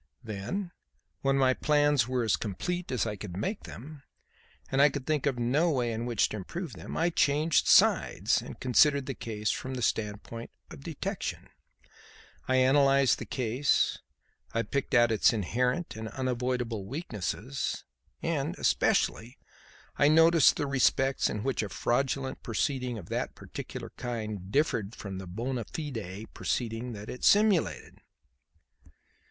Then when my plans were as complete as I could make them, and I could think of no way in which to improve them, I changed sides and considered the case from the standpoint of detection. I analysed the case, I picked out its inherent and unavoidable weaknesses, and, especially, I noted the respects in which a fraudulent proceeding of a particular kind differed from the bona fide proceeding that it simulated.